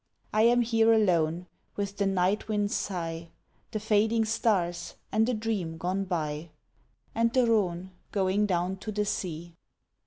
I am here alone with the night wind's sigh, The fading stars, and a dream gone by, And the Rhone going down to the sea.